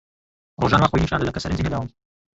ڕۆژان وا خۆی نیشان دەدا کە سەرنجی نەداوم.